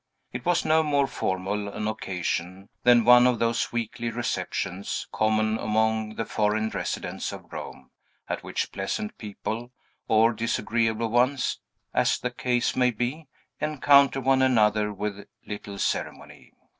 It was no more formal an occasion than one of those weekly receptions, common among the foreign residents of Rome, at which pleasant people or disagreeable ones, as the case may be encounter one another with little ceremony.